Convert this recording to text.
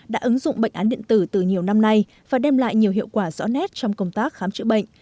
đã ứng dụng bệnh án điện tử từ nhiều năm nay và đem lại nhiều hiệu quả rõ nét trong công tác khám chữa bệnh